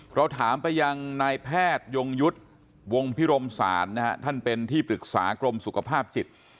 เราถามไปยังนายแพทยงยุทธ์วงพิรมศาลนะฮะท่านเป็นที่ปรึกษากรมสุขภาพจิต